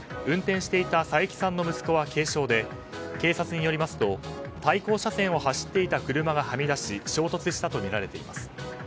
運転していた佐伯さんの息子は軽傷で警察によりますと対向車線を走っていた車がはみ出し衝突したとみられています。